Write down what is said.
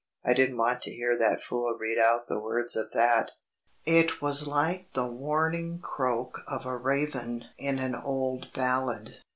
I didn't want to hear that fool read out the words of that.... It was like the warning croak of a raven in an old ballad.